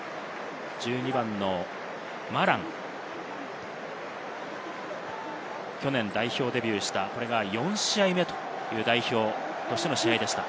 １２番のマラン、去年代表デビューした４試合目という代表としての試合でした。